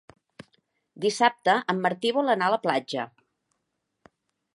Dissabte en Martí vol anar a la platja.